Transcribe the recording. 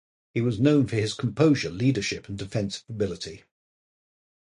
He was known for his composure, leadership and defensive ability.